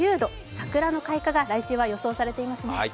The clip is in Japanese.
桜の開花が来週は予想されていますね。